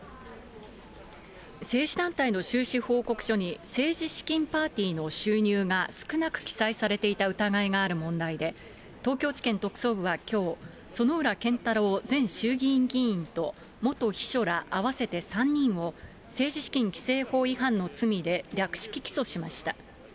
政治団体の収支報告書に政治資金パーティーの収入が少なく記載されていた疑いがある問題で、東京地検特捜部はきょう、薗浦健太郎前衆議院議員と、元秘書ら合わせて３人を、政治資金規正法違反の罪で略式起訴しました。